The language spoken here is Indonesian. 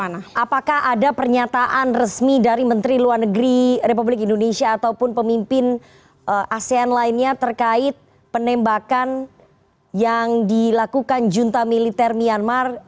apakah ada pernyataan resmi dari menteri luar negeri republik indonesia ataupun pemimpin asean lainnya terkait penembakan yang dilakukan junta militer myanmar